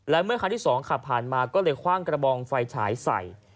และเมื่อคันที่๒ขับผ่านมาก็เลยคว่างกระบองไฟฉายใส่